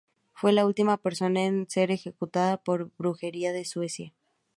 Fue la última persona en ser ejecutada por brujería en Suecia.